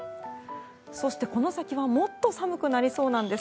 そしてこの先はもっと寒くなりそうなんです。